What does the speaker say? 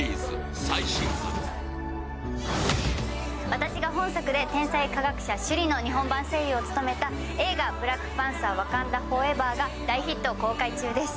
私が本作で、天才科学者、シュリの日本版声優を務めた映画「ブラックパンサーワカンダ・フォーエバー」が大ヒット公開中です。